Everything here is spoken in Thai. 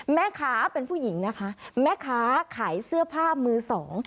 แม่ค้าเป็นผู้หญิงนะคะแม่ค้าขายเสื้อผ้ามือสอง